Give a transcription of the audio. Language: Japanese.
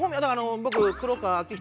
僕「黒川明人」